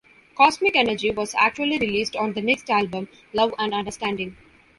"Cosmic Energy" was actually released on the next album, "Love and Understanding".